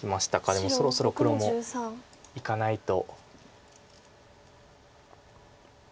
でもそろそろ黒もいかないと。